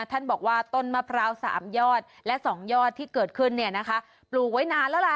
ท่านบอกว่าต้นมะพร้าว๓ยอดและ๒ยอดที่เกิดขึ้นเนี่ยนะคะปลูกไว้นานแล้วล่ะ